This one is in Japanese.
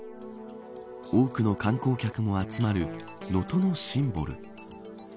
多くの観光客も集まる能登のシンボル。